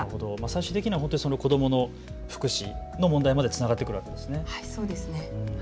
最終的には子どもの福祉の問題までつながってくるというわけですね。